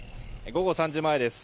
午後３時前です。